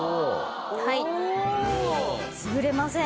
はい潰れません。